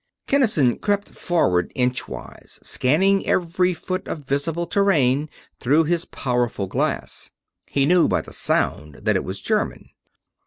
Kinnison crept forward inchwise; scanning every foot of visible terrain through his powerful glass. He knew by the sound that it was German.